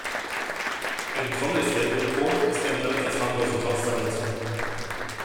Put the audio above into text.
Eine Trommelfellruptur ist eine relativ harmlose Tauchverletzung.